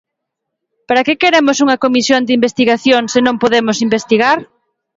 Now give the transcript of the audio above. ¿Para que queremos unha comisión de investigación se non podemos investigar?